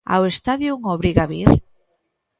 Ao estadio é unha obriga vir.